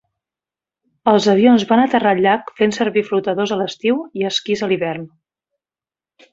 Els avions van aterrar al llac fent servir flotadors a l'estiu i esquís a l'hivern.